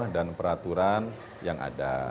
dan peraturan yang ada